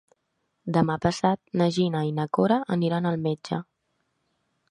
Demà passat na Gina i na Cora aniran al metge.